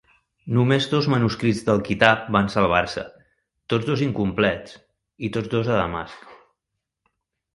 Només dos manuscrits del "Kitab" van salvar-se, tots dos incomplets, i tots dos a Damasc.